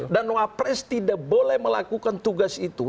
dan wapres tidak boleh melakukan tugas itu